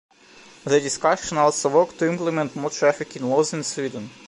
The discussion also worked to implement more trafficking laws in Sweden.